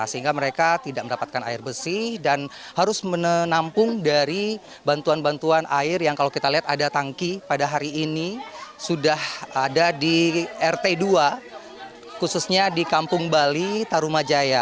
sehingga mereka tidak mendapatkan air bersih dan harus menampung dari bantuan bantuan air yang kalau kita lihat ada tangki pada hari ini sudah ada di rt dua khususnya di kampung bali tarumajaya